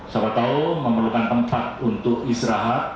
sobat tol memerlukan tempat untuk istirahat